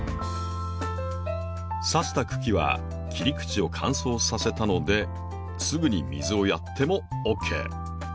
さした茎は切り口を乾燥させたのですぐに水をやってもＯＫ。